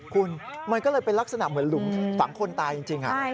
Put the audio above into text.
คุณมันก็เลยเป็นลักษณะเหมือนหลุมฝังคนตายจริง